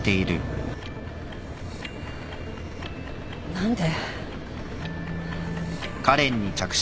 何で。